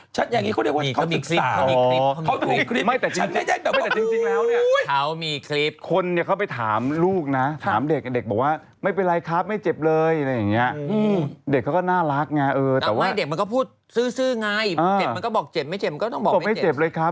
ชัดอย่างนี้เขาเรียกว่าเขามีคลิปเขามีคลิปเขามีคลิป